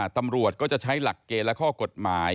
ตำรวจก็จะใช้หลักเกณฑ์และข้อกฎหมาย